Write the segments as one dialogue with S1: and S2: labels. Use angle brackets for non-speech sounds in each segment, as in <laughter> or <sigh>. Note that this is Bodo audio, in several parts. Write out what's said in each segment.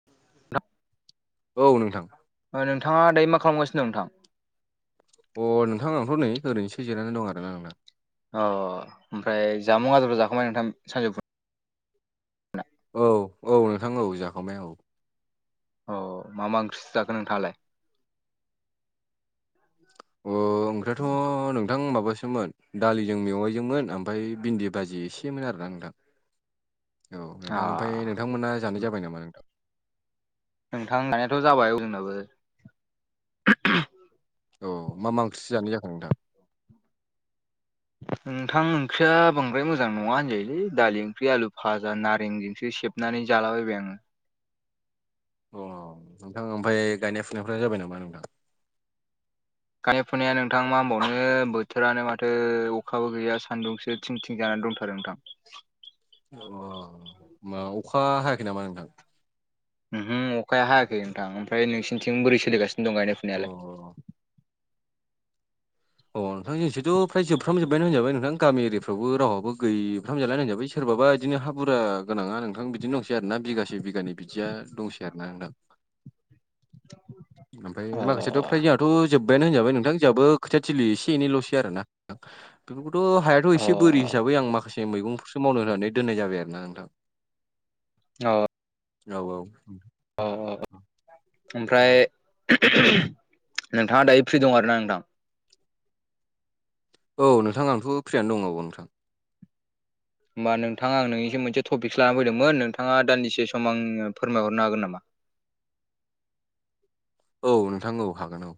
S1: <unintelligible>
S2: औ नोंथां।
S1: ओ नोंथाङा दायो मा खालामगासिनो दं नोंथां?
S2: अ नोंथां आंथ' नै ओरैनोसो जिरनानै दं आरोना आंना।
S1: अ ओमफ्राय जामुं आदारफ्रा जाखांबाय नोंथां सानजौफु
S2: औ औ नोंथां औ जाखांबाय औ।
S1: अ मा मा ओंख्रिसो जाखो नोंथाङालाय?
S2: अ
S1: <inaudible>
S2: ओंख्रियाथ' नोंथां माबासोमोन दालिजों मेवाइजोंमोन ओमफाय भिन्दि बाजि एसेमोन आरोना नोंथां।
S1: <inaudible>
S2: औ
S1: आ
S2: नोंथां ओमफाय नोंथांमोना जानाय जाबाय नामा नोंथां?
S1: नोंथां नायाथ' जाबाय औ जोंनाबो।
S2: औ मा मा ओंख्रिसो जानाय जाखो नोंथां?
S1: नोंथां ओंख्रिया बांद्राय मोजां नङा होनजायोलै दालि ओंख्रि आलु फाजा नारें जोंसो सेब नानै जालाबाबाय आङो।
S2: अ नोंथां। ओमफाय गायनाय फुनायफ्रा जाबाय नामा नोंथां?
S1: गान फुनाया नोंथां मा होनबावनो बोथोरानो माथो अखाबो गैया सानदुंसो थिं थिं जानानै दंथारो नोंथां।
S2: अ अ मा अखा हायाखै नामा नोंथां?
S1: ओमहो अखाया हायाखै नोंथां, ओमफाय नोंसिनिथिं बोरै सोलिगानो दंनो गायनाय फु
S2: अ अ नोंथां जोंनिथिंथ' फ्राय जोबफ्रामजोबबायनो होनजाबाय नोंथां। गामि एरिया फ्रावबो रावाबो गैफ्राम जालानो होनजाबाय सोरबाबा बिदिनो हा बुरजा गोनाङा नोंथां बिदिनो दंसै आरोना बिगासे बिगानै बिदिया दंसै आरोना नोंथां। ओमफाय
S1: अ
S2: माखासेयाथ' फ्राय जोंहाथ' जोब्बायानो होनजाबाय नोंथां। जोंहाबो खोथिया थिलि एसे एनैल'सै आरोना। बेफोरखौथ' हायाथ'
S1: अ
S2: एसे बोरि हिसाबै आं माखासे मैगंफोरसो मावनो होननानै दोननाय जाबाय आरो ना नोंथां।
S1: अ
S2: औ औ।
S1: अ ओमफ्राय नोंथाङा दायो फ्रि दं आरोना नोंथां?
S2: औ नोंथां आथ' फ्रियानो दं औ नोंथां।
S1: होमबा नोंथां आं नोंनिसिम मोनसे टपिकसो लाना फैदोंमोन नोंथाङा दानदिसे सम आंनो फोरमायहरनो हागोन नामा?
S2: औ नोंथां औ हागोन औ।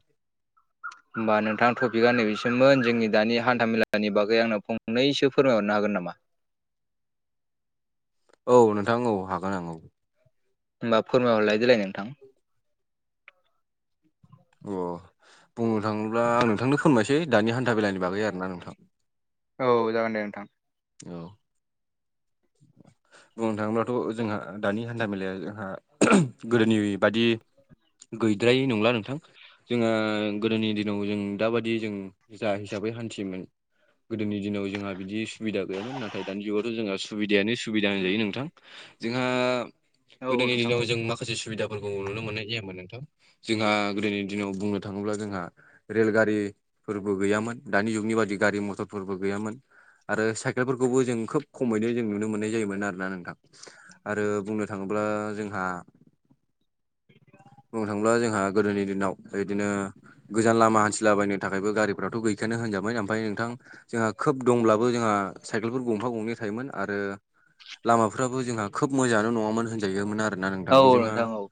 S1: होमबा नोंथां टपिकआ नैबेसोमोन जोंनि दानि हान्थामेलानि बागै आंनो फंनैसो फोरमायहरनो हागोन नामा?
S2: औ नोंथां औ हागोन आं औ।
S1: होनबा फोरमायहरलाय देलाय नोंथां।
S2: अ बुंनो थाङोब्ला आं नोंथांनो फोरमायसै दानि हान्था बेेलानि बागै आरोना नोंथां।
S1: औ जागोन दे नोंथां।
S2: औ।
S1: <inaudible>
S2: बुंनो थाङोब्लाथ' जोंहा दानि हान्था मेलाया जोंहा गोदोनि बादि गैद्रायै नंला नोंथां। जोंहा गोदोनि दिनाव जों दाबादि जों जा हिसाबै हान्थियोमोन गोदोनि दिनाव जोंहा बिदि सुबिदा गैयामोन। नाथाय दानि जुगावथ' जोंहा सुबिदायानो सुबिदा होनजायो नोंथां। जोंहा
S1: औ औ
S2: गोदोनि
S1: नोंथां
S2: दिनाव
S1: औ
S2: जों माखासे सुबिदाफोरखौ नुनो मोननाय जायामोन नोंथां। जोंहा गोदोनि दिनाव बुंनो थाङोब्ला जोंहा रेलगारिफोरबो गैयामोन। दानि जुगनि बादि गारि मथरफोरबो गैयामोन। आरो साइकेलफोरखौबो जों खोब खमैनो जों नुनो मोननाय जायोमोन आरोना नोंथां। आरो बुंनो थाङोब्ला जोंहा बुंनो थाङोब्ला जोंहा गोदोनि दिनाव इदिनो गोजान लामा हान्थिलाबायनो थाखायबो गारिफ्राथ' गैखायानो होनजाबोन ओमफ्राय नोंथां। जोंहा खोब दंब्लाबो जोंहा साइकेलफोर गंफा गंनै थायोमोन आरो। लामाफ्राबो जोंहा खोब मोजाङानो नङामोन होनजायोमोन आरोना
S1: औ
S2: नोंथां
S1: औ
S2: जोंहा
S1: औ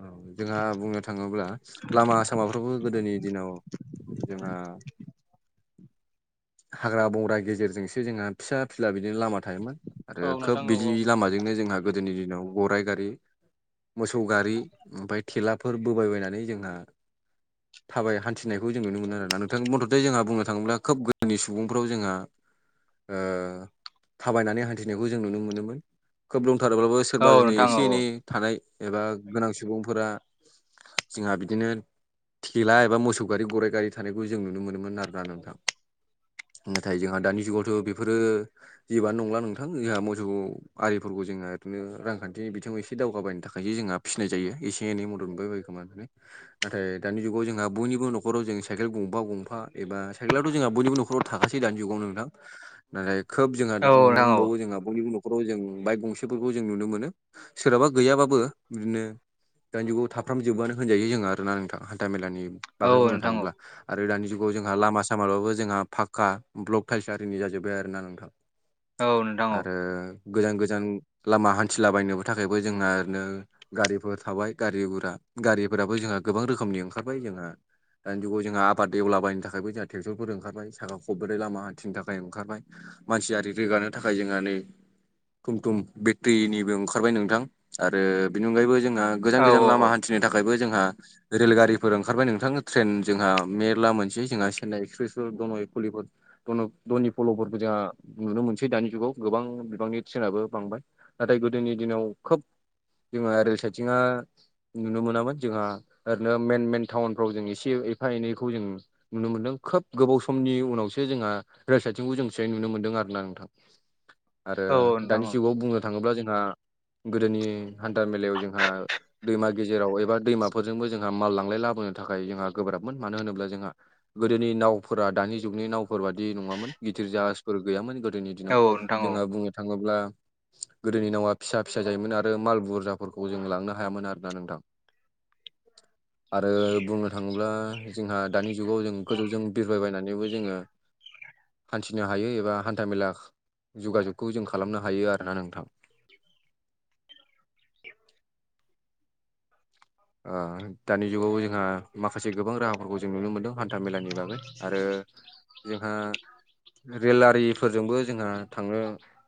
S2: औ जोंहा बुंनो थाङोब्ला लामा सामाफ्रावबो गोदोनि दिनाव जोंहा
S1: <inaudible>
S2: हाग्रा बंग्रा गेजेरजोंसो जोंहा फिसा फिला बिदिनो लामा थायोमोन। आरो
S1: औ नोंथां
S2: खोब
S1: औ
S2: बिदि लामाजोंनो जोंहा गोदोनि दिनाव गराइ गारि मोसौ गारि ओमफ्राय थेलाफोर बबायबायनानै जोंहा
S1: <inaudible>
S2: थाबाय हान्थिनायखौ जों नुनो मोनो आरोना नोंथां मथथे जोंहा बुंनो थाङोब्ला खोब गोदोनि सुबुंफ्राव जोंहा ओ थाबायनानै हान्थिनायखौ जों नुनो मोनोमोन खोब लंथारोब्लाबो
S1: औ
S2: सोरबा
S1: औ
S2: दिनै
S1: नोंथां औ
S2: एसे एनै थानाय एबा गोनां सुबुंफोरा जोंहा बिदिनो थेला एबा मोसौ गारि गराइ गारि थानायखौ जों नुनो मोनोमोन आरोना नोंथां। नाथाय जोंहा दानि जुगावथ' बेफोरो जिबानो नंला नोंथां जोंहा मोसौ आरिफोरखौ जोंहा बिनो रांखान्थिनि बिथिङाव एसे दावगाबायनो थाखाय खायसे जोंहा फिसिनाय जायो एसे एनै मदद मोनबायायो खोमानानै नाथाय दानि जुगाव जोंहा बयनिबो न'खराव जों साइकेल गंबा गंफा एबा साइकेलावथ' जोंहा बयनिबो नखराव थाखासे दानि जुगाव नोंदां
S1: ज
S2: नाथाय खोब जोंहा मोनबावो जोंहा ब न'खराव जों बाइक गंसेफोरखौ जों नुनो मोनो सोरहाबा गैयाबाबो बिदिनो दानि जुगाव थाफ्राम जोबबानो होनजायो जोो आर ना नोंथां हान्था मेलानि
S1: औ
S2: दाख्लै बुंनो
S1: नोंथां औ
S2: थाङोब्ला आरो दानि जुगाव जोंहा लामा सामाबाबो जोंहा फाखका ब्लक थाइसारिनि जाजोब्बाय आरो ना।
S1: औ नोंथां औ
S2: आरो गोजान गोजान लामा हान्थिलाबायनोबो थाखायबो जोंहा ओरैनो गारिफोर थाबाय गारि हुरा गारिफोराबो जोंहा गोबां रोखोमनि ओंखारबाय जोंहा दानि जुगाव जोंहा आबाद देलाबायनो थाखायबो जोंहा ट्रेक्टरफोर ओंखारबाय साखा खब्रै लामा हाथिनि थाखाय ओंखारबाय मानसियारि रोगानो थाखाय जोंहा नै थुम थुम बेट्रिनिबो ओंखारबाय नोंथां आरो बेनि अनगायैबो जोंहा गोजान
S1: औ
S2: गोजान लामा हान्थि फथिनो थाखायबो जोंहा रेलगारिफोर ओंखारबाय नोंथां ट्रेन जोंहा मेरला मोनसे जोंहा चेन्नाइ एक्सप्रेसफोर दङ कलिप धक धनि फल'फोरबो जोंहा नुनो मोनसै दानि जुगाव गोबां बिबांनि ट्रेनाबो बांबाय नाथाय गोदोनि दिनाव खोब जोंहा ओरै साइथिंहा नुनो मोनामोन जोंहा ओरैनो मेन मेन टाउनफ्राव जों एसे एफा एनैखौ जों नुनो मोनदों खोब गोबाव समनि उनावसो जोंहा रैसथिंखौ जों फसाय नुनो मोन्दों आरोना नोंथां आरो
S1: औ नोंथां
S2: दानि
S1: औ
S2: जुगाव बुंनो थाङोब्ला जोंहा गोदोनि हान्था मेलायाव जोंहा दैमा गेजेराव एबा दैमाफोरजोंबो जोंहा माललांलाय लाबोनो थाखाय जोंहा गोब्राबमोन मानो होनोब्ला जोंहा गोदोनि नावफोरा दानि जुगनि नावफोर बादि नङामोन गिदिर जाहाजफोर गैयामोन गोदोनि
S1: औ नोंथां औ
S2: जोंहा बुंनो थाङोब्ला गोदोनि नावा फिसा फिसा जायोमोन आरो माल बुरजाफोरखौ जों लांनो हायामोन आरोोना नोंथां। आरो बुंनो थाङोब्ला जोंहा दानि जुगाव जों गोजौजों बिरबायबायनानैबो जोङो हान्थिनो हायो एबा हान्था मेला जगाजगखौ जों खालामनो हायो आरोना नोंथां। दानि जुगावबो जोंहा माखासे गोबां राहाफोरखौ जों नुनो मोनदों हान्थाामेलानि बागै आरो
S1: <unintelligible>
S2: रेल आरिफोरजोंबो जोंङो थाङो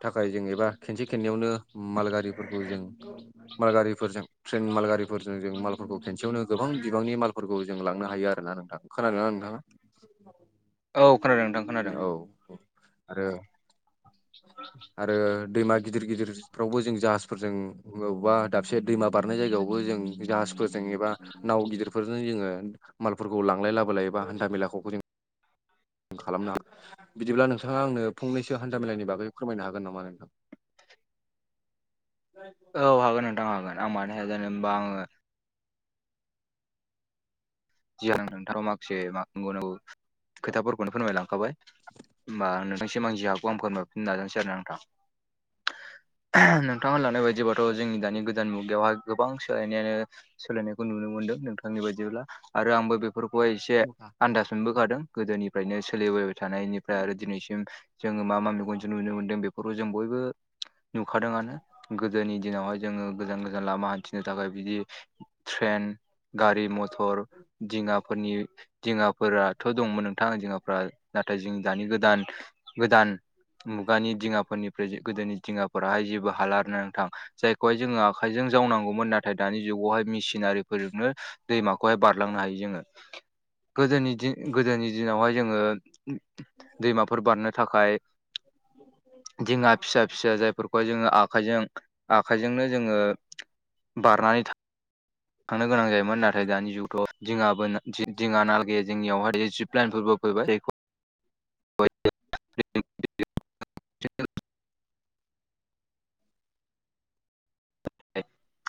S2: थाखाय जों एबा खेनसे खननैयावनो माल गारिफोरखौ जों माल गारिफोरजों ट्रेन मालगारिफोरजों जों मालफोरखौ खेनसेयावनो गोबां बिबांनि मालफोरखौ खौ जों लांनो हायो आरो ना नोंथां खोनादों ना नोंथाङा?
S1: औ खोनादों नोंथां खोनादों।
S2: औ आरो आरो दैमा गिदिर गिदिरफ्रावबो जों जाहाजफोरजों बबेयावबा दाबसे दैमा बारनाय जायगायावबो जों जाहाजफोरजों एबा नाव गिदिरफोरजों जोङो मालफोरखौ लांलाय लाबोलाय एबा हान्था मेलाखौबो खालामनो हायो बिदिब्ला नोंथाङा आंनो फंनैसो हान्था मेलानि बागै फोरमायनो हागोन नामा नोंथां?
S1: औ हागोन नोंथां हागोन आं मानो हाया जानोे हबा आङो जियानो नोंथाङा माखासे बुंनांगौ खोथाफोरखौनो फोरमायलांखाबाय। होमबा आं नोंथां सिम जि हाखौ आं फोरमायफिन नाजानोसै आरो नोंथां। नोंथां होनलांनाय बायदिबाथ' जोंनि दानि गोदान मुगायावहाय गोबां सोलायनायानो सोलायनायखौ नुनो मोनदों नोंथांनि बायदिब्ला आरो आंबो बे बेफोरखौहाय एसे आनन्दाज मोनबोखादों गोदोनिफ्रायनो सोलिबोबाय थानायनिफ्राय आरो दिनैसिम जोङो मा मा मेगनजों नुनो मोनदों बेफोरखौ जों बयबो नुखादोंआानो गोदोनि दिनावहाय जोङो गोजान गोजान लामा हान्थिनो थाखाय बिदि ट्रेन गारि मथर दिङाफोरनि दिङाफोराथ' दंमोन नोंथां दिङाफोरा नाथाय जों दानि गोदान गोदान मुगानि दिङाफोरनिफ्राय गोदोनि दिङाफोराहाय जेबो हालारनो नोंथां। जायखौहाय जोङो आखाइजों जावनांगौमोन नाथाय दानि जुगावहाय मेसिनारिफोरजोंनो दैमाखौहाय बार होलांनो हायो जोङो गोदोनि दिन गोदोनि दिनावहाय जोङो दैमाफोर बारनो थाखाय दिङा फिसा फिसा जायफोरखौहाय जोङो आखाइजों आखाइजोंनो जोङो बारनानै था थांनो गोनां जायोमोन नाथाय दानि जुगावथ' दिङाबो ना दि-दिङा नाल गैया जोंनियावहाय जिप लाइनफोरबो फैबाय जायखौ
S2: <inaudible>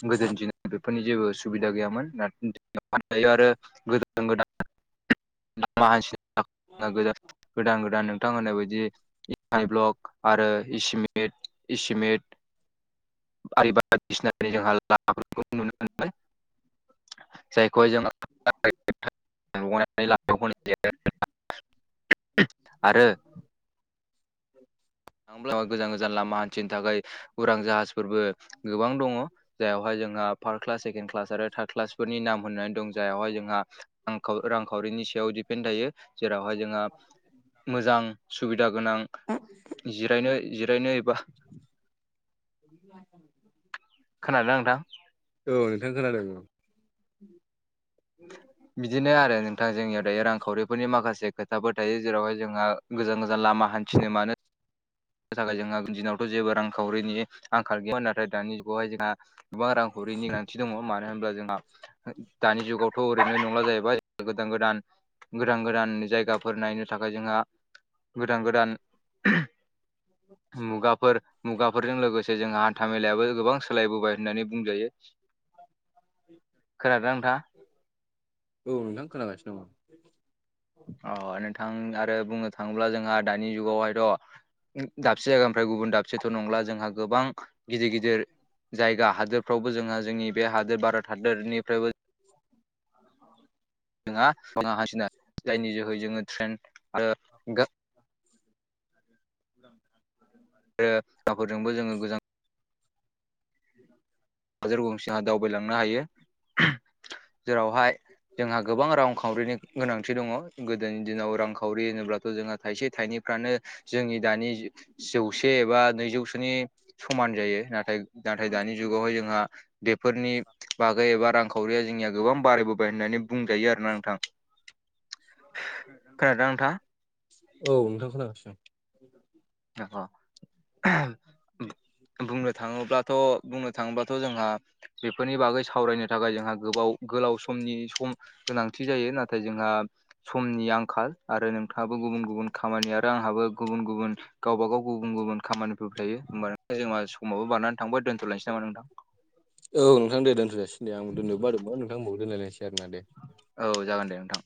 S1: गोदोनि दिनाव बेफोरनि जेबो सुबिदा गैयामोन <unintelligible> आरो गोदान गोदान <unintelligible> गोदान गोदान नोंथां होननायय बायदि ब्लक आरो इसिमिइट इसिमेट बारि बा <unintelligible> जोंहा लामाफोरखौ नुनो मोनो जायखौहाय जोङो <unintelligible> आरो होनब्लाबो गोजान गोजान लामा हान्थिनो थाखाय उरां जाहाजफोरबो गोबां दङ जाययावहाय जोंहा फार्स्ट क्लास सेकेणड क्लास आरो थार्द क्लासफोरनि नाम होननानै दं जायावहाय जोंहा रांखा-रांखावरिनि सायाव दिडपेन्ड थायो जेरावहाय जोंहा मोजां सुबिदा गोनां जिरायनो जिरायनो एबा
S2: <inaudible>
S1: खोनादों नोंथां?
S2: औ नोंथां खोनादों औ
S1: बिदिनो आरो नोंथां जोंनियाव दायो रांखावरिफोरनि माखासे खोथाफोर थायो जेरावहाय जोंहा गोजान गोजान लामा हान्थिनो मानो नि थाखाय जोंहा दिनावथ' जेबो रांखावरिनि आंखाल गैयामोन नाथाय दानि जुगावहाय जोंहा गोबां रांखौरिनि गोनांथि दङ मा नो होनब्ला जोंहा दानि जुगावथ' ओरैनो नंला जाहैबाय गोदान गोदान गोदान गोदान जायगाफोर नायनो थाखाय जोंहा गोदान गोदान मुगाफोर मुगाफोरजों लोगोसे जोंहा हान्था मेलायाबो गोबां सोलायबोबाय होननानै बुंजायो। खोनादोंना नोंथाङा?
S2: औ नोंथां खोनागासिनो नामा
S1: अ नोंथां आरो बुंनो थाङोब्ला जोंहा दानि जुगावहायथ' दाबसे जायगानिफ्राय गुबुन दाबसेथ' नंला जोंहा गोबां गिदिर गिदिर जायगा हादोरफ्रावबो जोंहा जोंनि बे हादोर भारत हादोरनिफ्रायबो जोंहाा हासिनो जायनि जोहै जोङो ट्रेन आरो गो
S2: <inaudible>
S1: आरोाफोरजोंबो जोङो गोजां हाजोर गंसिहा दावबायलांनो हायो जेरावहाय जोंहा गोबां रांखावरिनि गोनांथि दङ गोदोनि दिनाव रांखावरि होनोब्लाथ' जोंहा थाइसे थाइनैफ्रानो जोंनि दानि जौसे एबा नैजौसोनि समान जायो नाथाय नाथाय दानि जुगावहाय जोंहा बेफोरनि बागै एबा रांखावरिया जोंनिया गोबां बारायबोबाय होननानै बुंजायो आरो खोनाथां खोनादों ना नोंथां
S2: औ नोंथां खोनागासिनो <inaudible>
S1: <unintelligible> बुंनो थाङोब्लाथ' बुंनो थाङोब्लाथ' जोंहा बेफोरनि बागै सावरायनो थाखाय जोंहा गोबाव गोलाव समनि सम गोनांथि जायो नाथाय जोंहा समनि आंखाल आरो नोंथाङाबो गुबुन गुबुन खामानि आरो आंहाबो गुबुन गुबुन गावबाागाव गुबुन गुबुन खामानिफोर थायो होमबा जोंहा समावबो बारानानै थांबाय दोनथ'लायसै नामा नोंथां <inaudible>
S2: औ नोंथां दोनथ'ासि द आं दोननोबो बादोंमोन नोंथांबखौ दोनलायनोसै आरोना दे
S1: औ जागोन दे नोंथां